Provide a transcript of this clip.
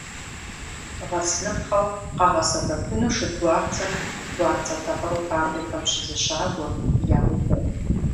Гъэсыныпхъэу къагъэсэбэпыну шэдгуарцэр гуарцэ тыкъыру фабрикэм щызыщагуэ, яубэ.